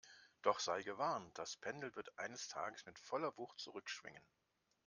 Doch sei gewarnt, das Pendel wird eines Tages mit voller Wucht zurückschwingen!